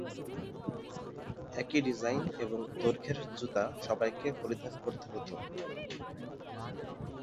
একই ডিজাইন এবং দৈর্ঘ্যের জুতা সবাইকে পরিধান করতে হতো।